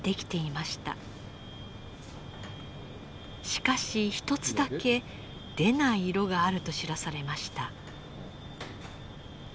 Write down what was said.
しかし一つだけ出ない色があると知らされました。